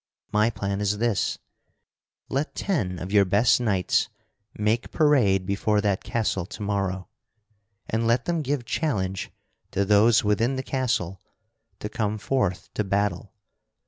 My plan is this: Let ten of your best knights make parade before that castle tomorrow, and let them give challenge to those within the castle to come forth to battle.